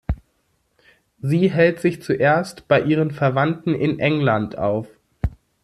Sie hält sich zuerst bei ihren Verwandten in England auf.